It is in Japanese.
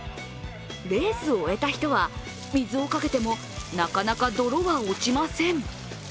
レースを終えた人は水をかけてもなかなか泥が落ちません。